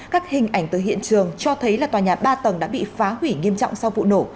các hình ảnh tới hiện trường cho thấy là tòa nhà ba tầng đã bị phá hủy nghiêm trọng sau vụ nổ